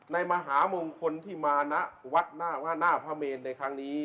มหามงคลที่มาณวัดหน้าพระเมนในครั้งนี้